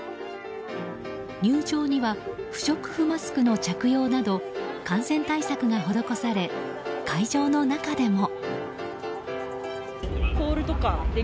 入場には不織布マスクの着用など感染対策が施され会場の中でも。